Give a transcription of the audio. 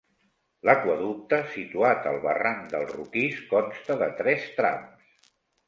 L'aqüeducte, situat al barranc del Roquís, consta de tres trams.